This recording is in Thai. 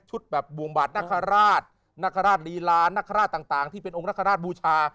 ชุดแบบบวงบัตรนักฮราชนักฮราชรีราชนักฮราชต่างที่เป็นองค์นักฮราชบูชา